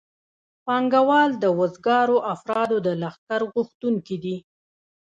پانګوال د وزګارو افرادو د لښکر غوښتونکي دي